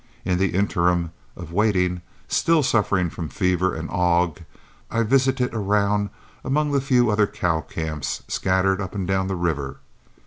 In the interim of waiting, still suffering from fever and ague, I visited around among the few other cow camps scattered up and down the river.